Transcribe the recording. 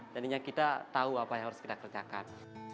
dan ini kita tahu apa yang harus kita kerjakan